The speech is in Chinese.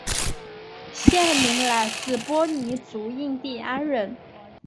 县名来自波尼族印第安人。